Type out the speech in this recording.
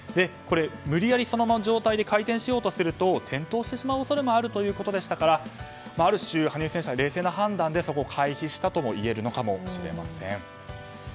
これ、無理やりその状態のまま回転しようとすると転倒してしまう恐れもあるということでしたからある種、羽生選手は冷静な判断で回避したといえるのかもしれません。